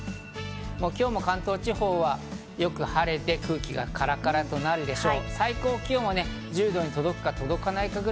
今日も関東地方はよく晴れて空気がカラカラとなるでしょう。